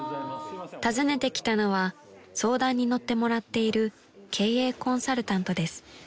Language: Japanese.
［訪ねてきたのは相談に乗ってもらっている経営コンサルタントです］